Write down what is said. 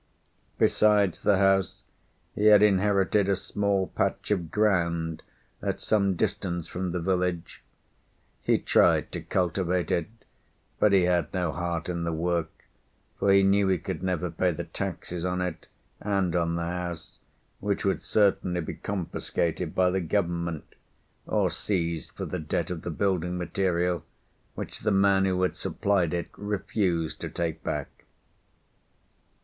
Besides the house, he had inherited a small patch of ground at some distance from the village; he tried to cultivate it, but he had no heart in the work, for he knew he could never pay the taxes on it and on the house, which would certainly be confiscated by the Government, or seized for the debt of the building material, which the man who had supplied it refused to take back.